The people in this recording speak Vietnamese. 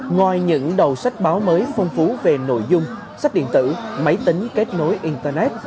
ngoài những đầu sách báo mới phong phú về nội dung sách điện tử máy tính kết nối internet